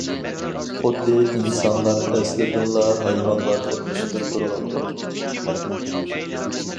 خۇددى ئىنسانلار ئەسلىدىنلا ھايۋانلاردىن ئۈستۈن تۇرغاندەك.